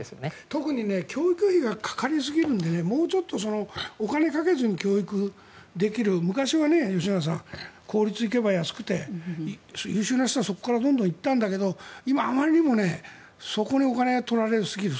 特に教育費がかかりすぎるのでもうちょっとお金をかけずに教育できる昔は公立行けば安くて優秀な人がそこからどんどん行ったんだけど今あまりにもそこにお金を取られすぎる。